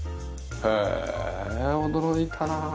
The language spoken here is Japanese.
へえ驚いたなあ。